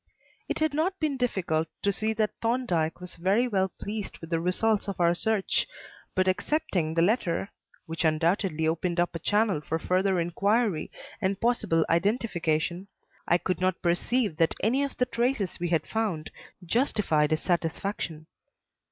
It had not been difficult to see that Thorndyke was very well pleased with the results of our search, but excepting the letter which undoubtedly opened up a channel for further inquiry and possible identification I could not perceive that any of the traces that we had found justified his satisfaction.